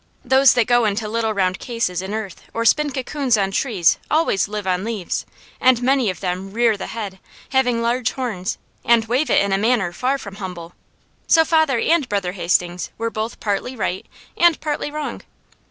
Those that go into little round cases in earth or spin cocoons on trees always live on leaves, and many of them rear the head, having large horns, and wave it in a manner far from humble. So father and Brother Hastings were both partly right, and partly wrong.